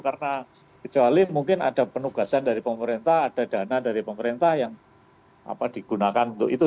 karena kecuali mungkin ada penugasan dari pemerintah ada dana dari pemerintah yang digunakan untuk itu